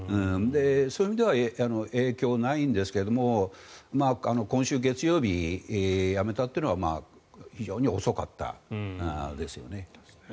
そういう意味では影響ないんですけれども今週月曜日、辞めたというのは非常に遅かったですよね。